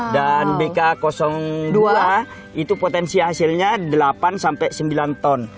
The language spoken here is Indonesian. dan bk dua itu potensi hasilnya delapan sampai sembilan ton